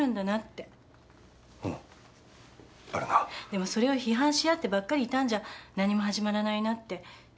でもそれを批判し合ってばっかりいたんじゃ何も始まらないなって。